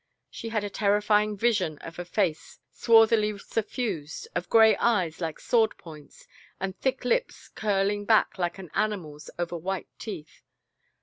She had a terrifying vision of a face swarthily suffused, of gray eyes like sword points, and thick lips curling back like an animal's over white teeth.